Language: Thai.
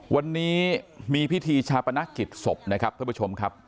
วันนี้มีพิธีชาปนกิจศพนะครับท่านผู้ชมครับ